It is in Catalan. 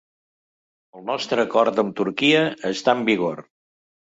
El nostre acord amb Turquia està en vigor.